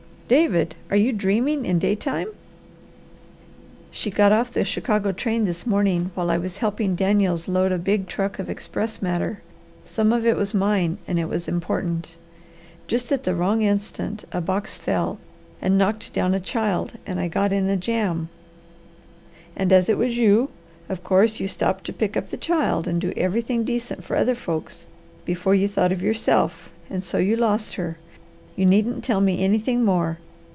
"David, are you dreaming in daytime?" "She got off the Chicago train this morning while I was helping Daniels load a big truck of express matter. Some of it was mine, and it was important. Just at the wrong instant a box fell and knocked down a child and I got in a jam " "And as it was you, of course you stopped to pick up the child and do everything decent for other folks, before you thought of yourself, and so you lost her. You needn't tell me anything more.